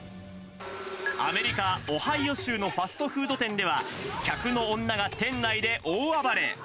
アメリカ・オハイオ州のファストフード店では、客の女が店内で大暴れ。